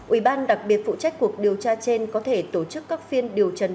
ủy ban đặc biệt phụ trách cuộc điều tra trên có thể tổ chức các phiên điều trần